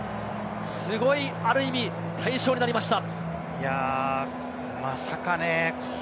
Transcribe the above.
すごい、ある意味、大勝になりました。